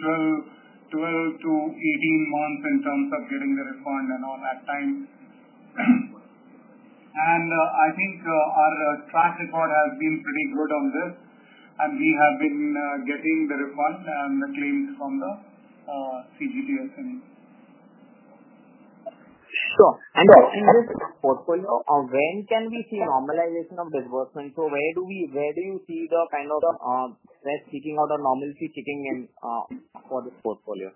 12-18 months in terms of getting the refund and all that time. I think our track record has been pretty good on this and we have been getting the refund and the claims from the CGT SME. When can we see normalization of disbursement or where do you see the kind of picking out of normalcy kicking in for this portfolio?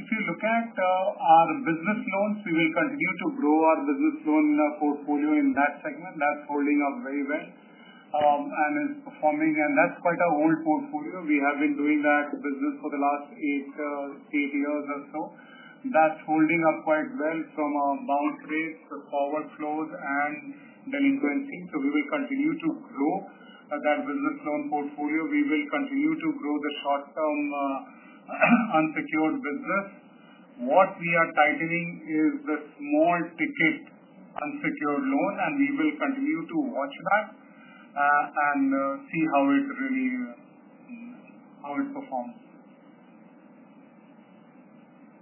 If you look at our business loans, we will continue to grow our business loan in our portfolio in that segment. That's holding up very well and is performing and that's quite an old portfolio. We have been doing that business for the last eight years or so. That's holding up quite well from our bounce rates, forward flows, and then in currency. We will continue to grow that business loan portfolio. We will continue to grow the short-term unsecured business. What we are tightening is the small, ticket unsecured load, and we will continue to watch that and see how it really performs.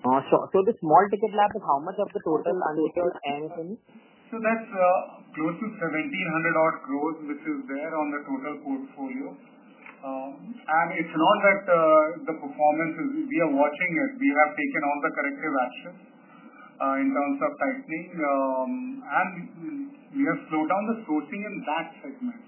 The small ticket LAP is how much of the total unsecured MSME? That's close to 1,700 crore, which is there on the total portfolio. It's not that the performance is—we are watching it. We have taken all the corrective action in terms of tightening, and we have slowed down the sourcing of that segment.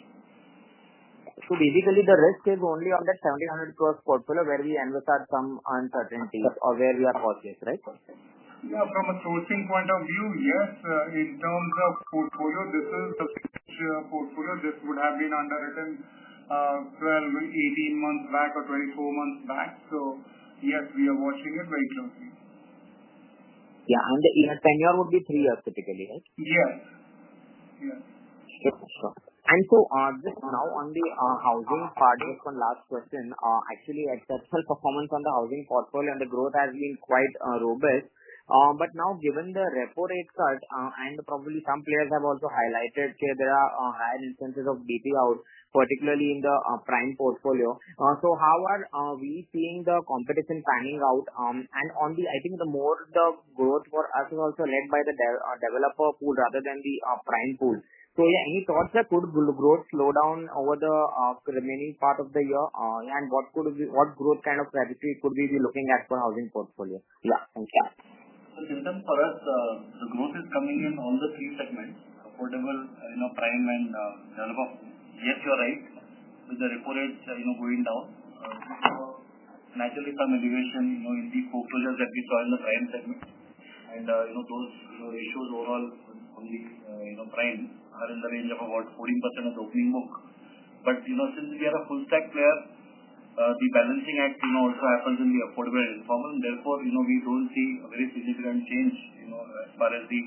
Basically, the risk is only on that 1,700 crore portfolio where we envisage some uncertainty or where you are cautious. Right? From a sourcing point of view, yes. In terms of portfolio, this is the portfolio that would have been underwritten 12, 18 months back or three to four months back. Yes, we are watching it very closely. Tenure would be three years typically. Right? Yes. Yes Now, on the housing part, just one last question actually at exceptional performance on the housing portfolio, and the growth has been quite robust. Now, given the repo rate cut and probably some players have also highlighted there are higher instances of BT out, particularly in the prime portfolio. How are we seeing the competition panning out? I think the growth for us is also led by the developer pool rather than the prime pool. Any thoughts that growth could slow down over the remaining part of the year, and what growth kind of trajectory could we be looking at for the housing portfolio? Thank you. For us, growth is coming in all the three segments, affordable, prime, and developer. Yes, you're right, with the repo rate going down, naturally some elevation—you see foreclosures that we call in the prime segment, and those ratios overall are in the range of about 14% of the opening book. Since we are a full stack player, the balancing act also happens in the affordable. Therefore, we don't see very significant changes as far as the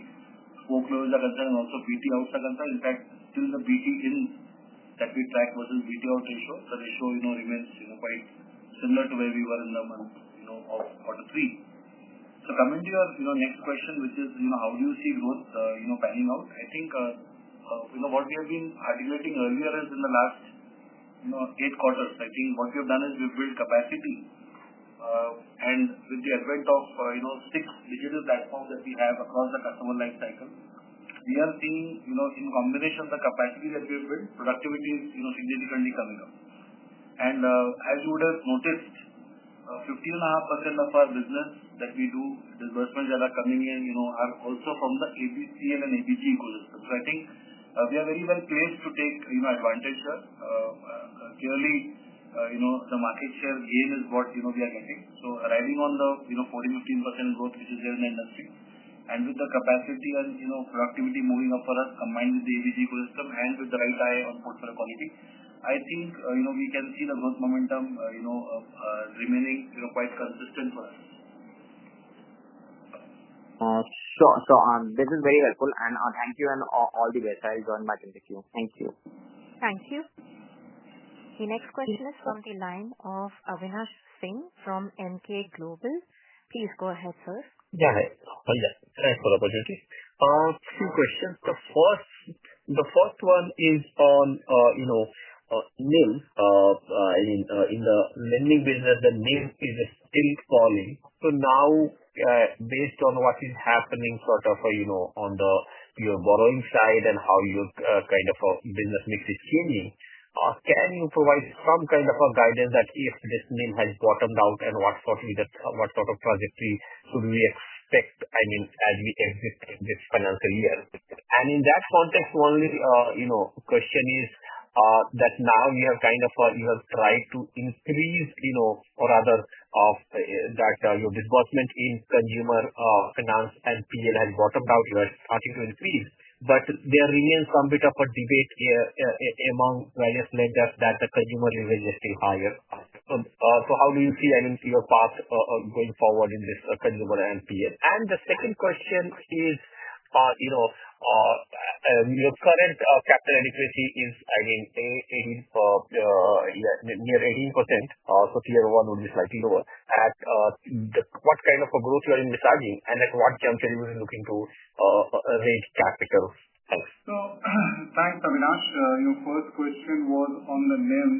workloads are concerned. Also, BT outs are concerned. In fact, till the BT in that we track versus BT out ratio, the ratio remains quite similar to where we were in the month of quarter three. Coming to your next question, which is, you know, how do you see growth panning out? What we have been articulating earlier is in the last eight quarters, what we have done is we've built capacity, and with the advent of six digital platforms that we have across the customer life cycle, we are seeing, in combination, the capacity that we have built. Productivity is, you know, significantly coming up. As you would have noticed, 15.5% of our business that we do disbursements are also from the ABCL and ABG ecosystem. I think we are very well placed to take advantage of, clearly, the market share gain is what we are getting, so riding on the 14%, 15% growth which is here in the industry, and with the capacity and productivity moving up for us combined with the ABG ecosystem and with the right eye on portfolio quality, I think we can see the growth momentum remaining quite consistent for us. Sure. This is very helpful, and thank you and all the best. I enjoyed my interview. Thank you. Thank you. The next question is from the line of Avinash Singh from Emkay Global. Please go ahead first. Yeah, thanks for the opportunity. Two questions. The first one is on, you know, NIM in the lending business, the NIM is still falling. Now, based on what is happening on your borrowing side and how your kind of business mix is changing, can you provide some kind of guidance that if this NIM has bottomed out and what sort of trajectory could we expect? I mean, as we exist in this financial year and in that context only, the question is that now you have tried to increase, you know, or rather that your disbursement in consumer finance and PL bottomed out. What about the starting to increase? There remains some bit of a debate here among various lenders that the consumer leverage is still higher. How do you feel your path going forward in this consumer and PL? The second question is, your current capital adequacy is, I think, near 18%. Tier one would be slightly lower. At what kind of growth are you envisaging and at what juncture will you be looking to raise capital? Thanks. Thanks. Avinash, your first question was on the NIM.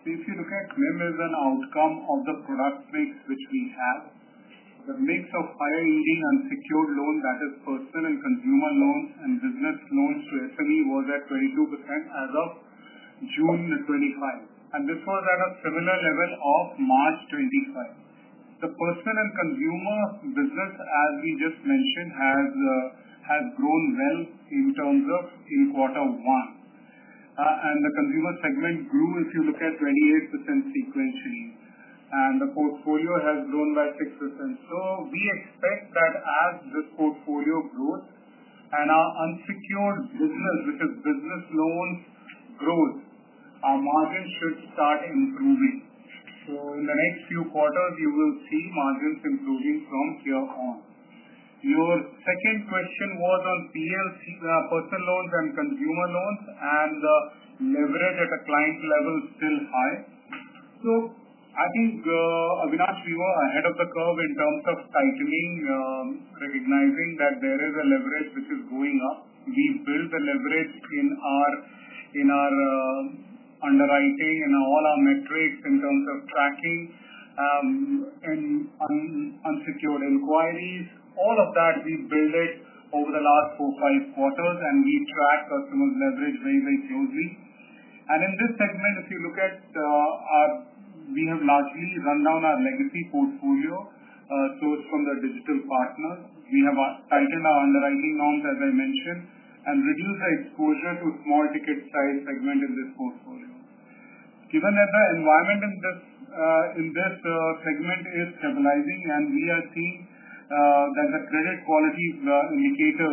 If you look at NIM, it is an outcome of the correct mix which we have. The mix of higher yielding unsecured loan, that is personal and consumer loans and business loans to SME, was at 22% as of June 2025 and this was at a similar level as March 2025. The personal and consumer business, as we just mentioned, has grown well in quarter one and the consumer segment grew, if you look at, 28% frequency and the portfolio has grown by 6%. We expect that as the portfolio grows and our unsecured business, because business loans growth, our margins should start improving. In the next few quarters, you will see margins improving from here on. Your second question was on PLC, personal loans and consumer loans, and the leverage at a client level still high. I think, Avinash, we were ahead of the curve in terms of tightening, recognizing that there is a leverage which is going up. We build the leverage in our underwriting and all our metrics in terms of tracking and unsecured inquiries, all of that we build it over the last four, five quarters and we track customers' leverage very, very closely. In this segment, if you look at our, we have largely run down our legacy portfolio sourced from the digital partners. We have tightened our underwriting norms, as I mentioned, and reduced the exposure to small ticket size segment in this portfolio. Given that the environment in this segment is stabilizing and we are seeing that the credit quality indicator,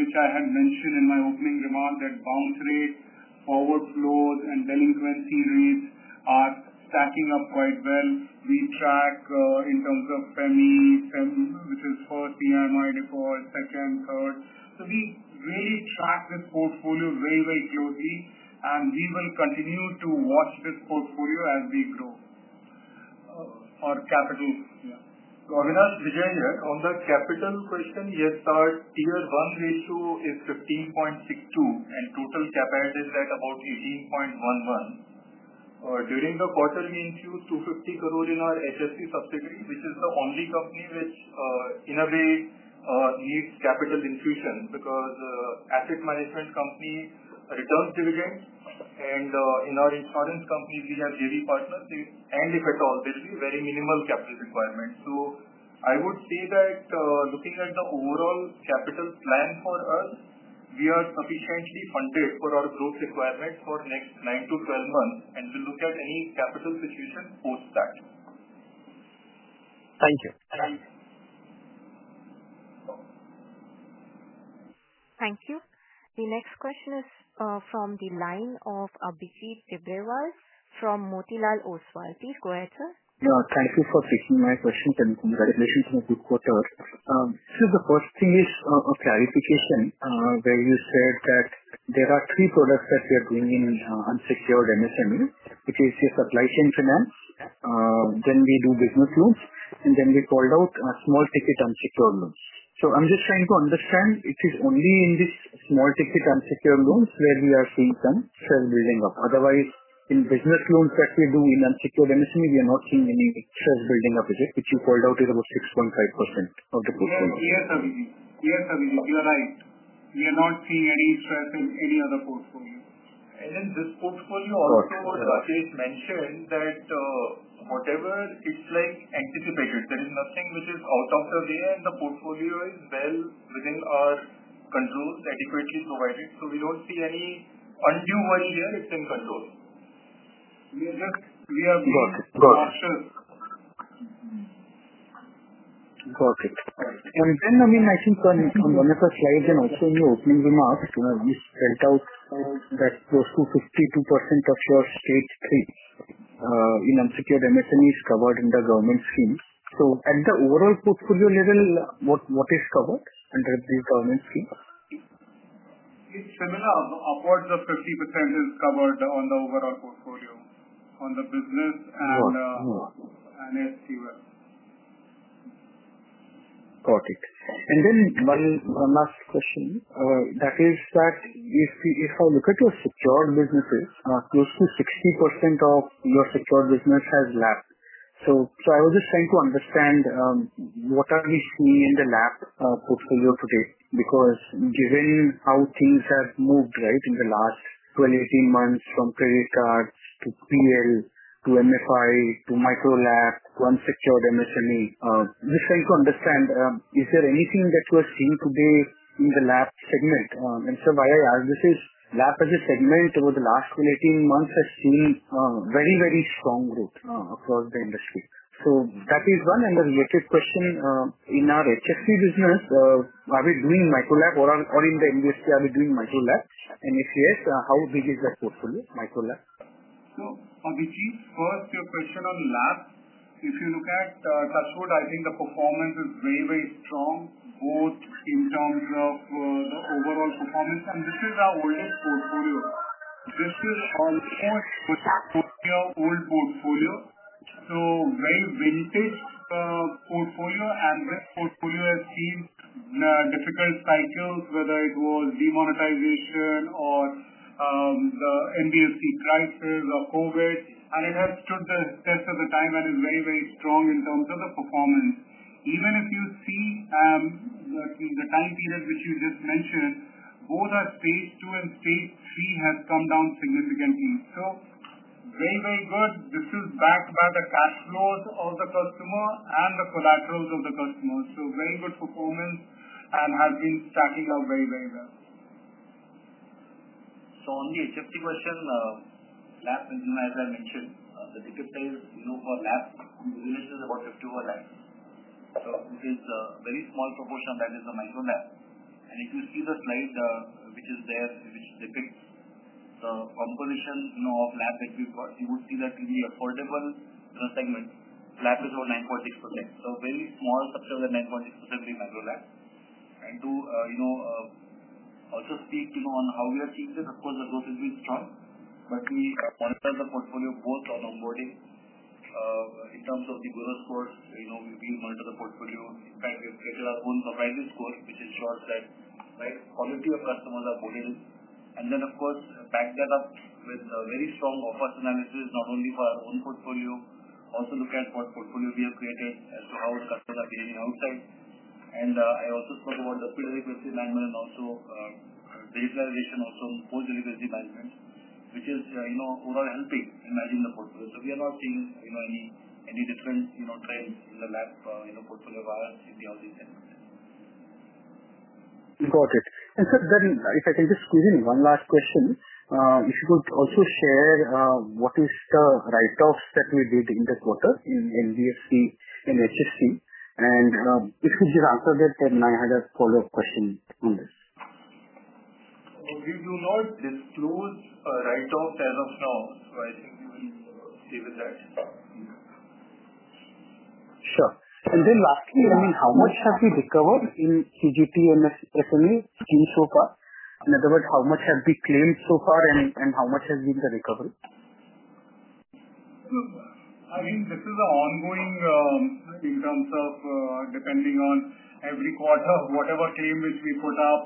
which I had mentioned in my opening remark, that bounce rate, forward flow and delinquency rates are catching up quite well. We track in terms of FEMI, which is first EMI default, second, third. We really track this portfolio very, very closely and we will continue to watch this portfolio as we grow our capital. Vijay here on the capital question. Yes, our tier one ratio is 15.62% and total cap add is at about 18.11%. During the quarter, we infused 250 crore in our HFC subsidiary, which is the only company which in a way needs capital infusion because asset management company returns dividend and in our insurance companies we have JV partners and if at all there will be very minimal capital requirements. I would say that looking at the overall capital plan for us, we are sufficiently funded for our growth requirement for next nine to 12 months and to look at any capital situation post that. Thank you. Thank you. The next question is from the line of Abhijit Tibrewal from Motilal Oswal. Please go ahead sir. Yeah, thank you for taking my question. Congratulations on good quarters. The first thing is a clarification where you said that there are three products that we are doing in unsecured MSME, which is your supply chain finance. Then we do business loans and then we called out a small ticket unsecured loan. I'm just trying to understand, it is only in this small ticket unsecured loans where we are seeing some stress building up. Otherwise, in business loans that we do in unsecured MSME, we are not seeing any stress building up, is it which you called out is about 6.5% of the portfolio? Yes, Abhijit, you are right. We are not seeing any stress in any other portfolio. In this portfolio, Rakesh mentioned that whatever it is, it is anticipated, there is nothing which is out of the way and the portfolio is well within our controls, adequately provided, so we don't see any undue worry here. It's in control. We are very cautious. I think on one of your slides and also in your opening remarks, you spelled out that close to 52% of your stage three in unsecured MSME is covered in the government schemes. At the overall portfolio level, what is covered under the finance scheme? Similar, upwards of 50% is covered on the overall portfolio on the business and STUL. Got it. One last question is that if I look at your secured businesses, close to 60% of your secured business has LAP.I was just trying to understand what are you seeing in the LAP portfolio today because given how things have moved in the last 12-18 months from credit cards to PL to MFI to micro LAP to unsecured MSME, just trying to understand is there anything that you are seeing today in the LAP segment? And sir, why I ask this LAP as a segment over the last 12-18 months has seen very, very strong growth across the industry. So that is one. And the related question in our HFC business, are we doing micro LAP or in the NBFC are we doing micro LAP? And if yes, how big is that protfolio, micro LAP? This is first your question on LAP. If you look at touchpoint, I think the performance is very, very strong both in terms of the overall performance, and this is our oldest portfolio. This tool on portfolio, so very vintage portfolio and this portfolio has seen difficult cycles, whether it was demonetization or the NBFC crisis or COVID, and it has stood the test of time and is very, very strong in terms of the performance. Even if you see the time period which you just mentioned, both our stage two and stage three has come down significantly. So very, very good. This is backed by the cash flow of the customer and the collaterals of the customers. Very good performance and has been stacking up very, very well. On the HFC question, LAP engine, as I mentioned, the ticket size for LAP is about 51 lakhs, so we say it's a very small proportion of that is the micro LAP and if you see the slide which is there, which depicts the composition of LAP that we got, you would see that the affordable segment LAP is about 9.6%, so very small subset of 9.6% is the micro LAP. To also speak on how we are seeing this, of course the growth is being strong, but we monitor the portfolio both on onboarding in terms of the goal score, in terms, we monitor the portfolio and we've created our own proprietary score, which ensure that right quality of customers are voted in. Then, of course, back that up with a very strong off-us analysis, not only for our own portfolio, also look at what portfolio we have created as to how the customers are behaving outside. I also spoke about the pre-delivery landmark and also digitalization, also post-delivery management, which is overall helping in managing the portfolio. We are not seeing any different trends in the LAP portfolio of ours in the housing segment. Got it. Sir, if I can just squeeze in one last question, if you could also share what is the write-off that we did in the quarter in NBFC and HFC, and if you just answer that, then I had a follow-up question on this. We do not disclose write-off as of now. I think, we will stay with that. Sure. Lastly, how much have you recovered in CGT SME scheme so far? In other words, how much have the claims so far and how much has been the recovery? I think this is an ongoing exercise depending on every quarter, whatever claim which we put up.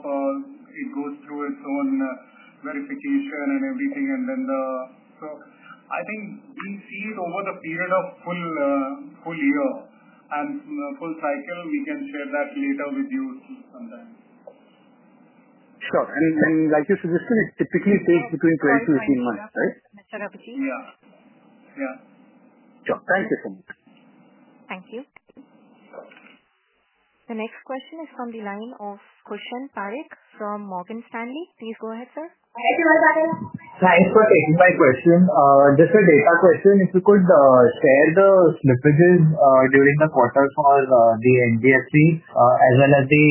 It goes through its own verification and everything. I think we see it over the period of full year and full cycle. We can say that later, with you, sometime. Sure. And like you suggested, it typically takes between 12-18 months. Right? Yeah. Yeah. Thank you. Thank you. The next question is from the line of Kushan Parikh from Morgan Stanley. Please go ahead, sir. Thanks for taking my question. Just a data question. If you could share the differences during the quarter for the NBFC as well as the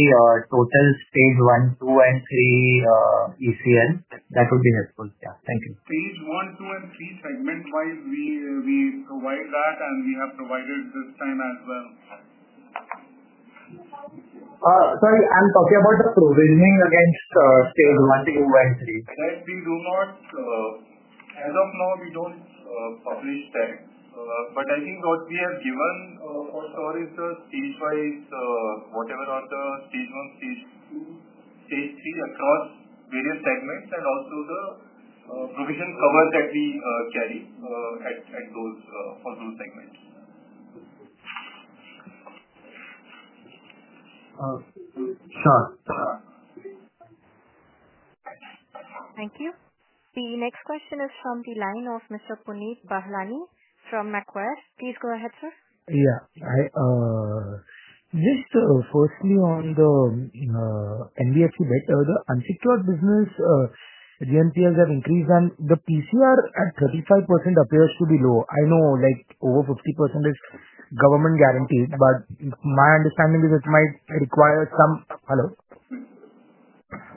total stage one, two, and three ECL, that would be helpful. Yeah, thank you. Stage one, two, and three, segment wise, we provide that and we have provided this time as well. Sorry, I'm talking about the provisioning against stage one, two, and three. Right? We do not, as of now we don't publish that. I think what we have given is the stage-wise, whatever are the stage one, stage two, stage three across various segments, and also the provision cover that we carry at those funnel segments. Thank you. The next question is from the line of Mr. Punit Bahlani from Macquarie. Please go ahead, sir. Yeah, just firstly on the NBFC, bit the unsecured business NPAs have increased and the PCR at 35% appears to be low. I know like over 50% is government guaranteed, but my understanding is it might require some. Hello?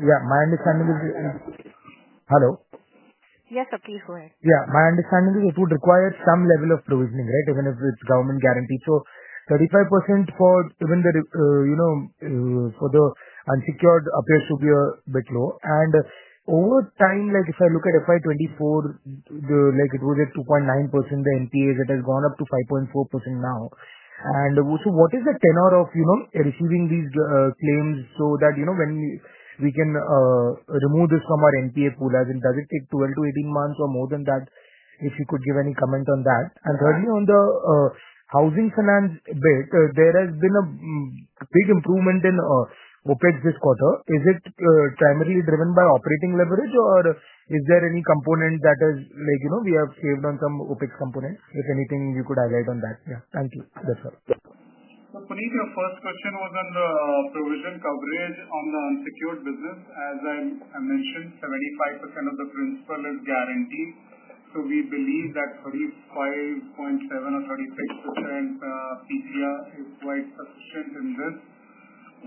Yeah. My understanding is. Hello? Yes, sir please go ahead. Yeah, my understanding is it would require some level of provisioning, right? Even if it's government guaranteed. So 35% for even the, you know, for the unsecured appears to be a bit low. Over time, like if I look at FY 2024, it was at 2.9% the NPAs, it has gone up to 5.4% now. Also, what is the tenor of, you know, receiving these claims so that, you know, when we can remove this from our NPA pool, as in does it take 12-18 months or more than that? If you could give any comment on that. Thirdly, on the housing finance bit, there has been a big improvement in OpEx this quarter. Is it primarily driven by operating leverage or is there any component that is like, you know, we have saved on some OpEx components? If anything, you could highlight on that. Yeah, thank you. That's all. Punit, your first question was on the provision coverage on the unsecured business. As I mentioned, 75% of the principal is guaranteed. We believe that 35.7% or 36% PCR is quite sufficient in this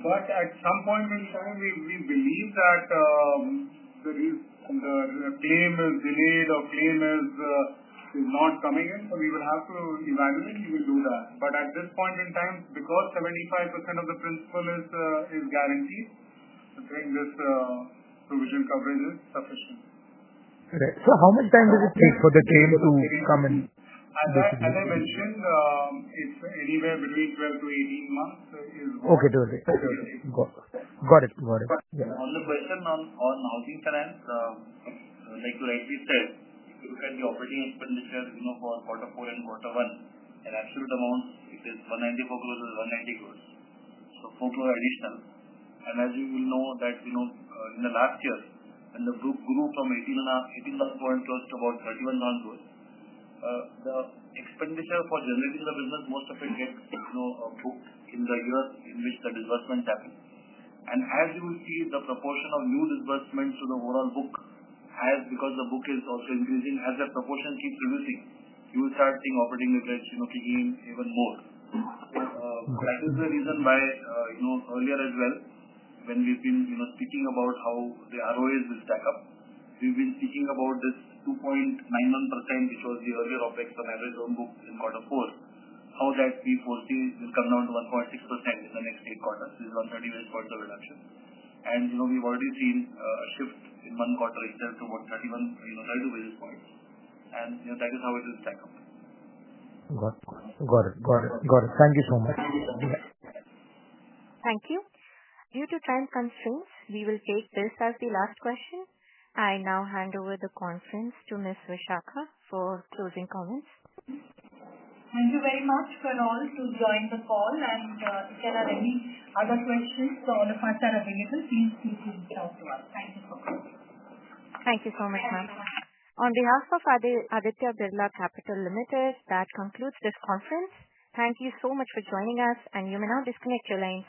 work. At some point in time, we believe that the claim is delayed or claim is not coming in. We will have to evaluate. At this point in time, because 75% of the principal is guaranteed, I think this provision coverage is sufficient. Right. How much time does it take for the claim to come in? It's anywhere between 12-18 months. Okay, got it, got it. On the question on housing finance, as you rightly said look at the operating expenditure. For quarter four and quarter one, in absolute amount, it is 194 crores, 190 crores, so four additional. As you will know, in the last year, the book grew from 18,500 crores close to about 31,000 crores. The expenditure for generating the business, most of it gets booked in the year in which the disbursement happens. As you will see, the proportion of new disbursements to the overall book, because the book is also increasing, as the proportion keeps reducing, you will start seeing operating leverage kicking in even more. That is the reason why earlier as well, when we've been thinking about how the ROAs will stack up, we've been speaking about this 2.91%, which was the earlier OpEx per added earned book in quarter four. How that we foresee will come down to 1.6% in the next eight quarters which is 130 basis points of reduction. And we've already seen a shift in one quarter itself to about 31-32 basis points. That is how it will stack up. Got it, got it, got it. Thank you so much. Thank you. Due to time constraints, we will face this as the last question. I now hand over the conference to Ms. Vishakha for closing comments. Thank you very much for all to join the call, and if there are any other questions, all of us are available. Please reach out to us. Thank you. Thank you so much Ma'am. On behalf of Aditya Birla Capital Limited, that concludes this conference. Thank you so much for joining us, and you may now disconnect your lines.